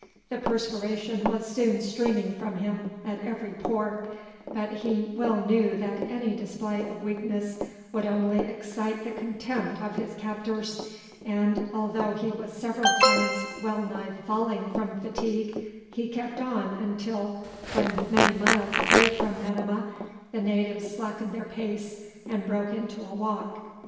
The perspiration was soon streaming from him at every pore, but he well knew that any display of weakness would only excite the contempt of his captors, and although he was several times well nigh falling from fatigue he kept on until, when many miles away from Metemmeh, the natives slackened their pace and broke into a walk.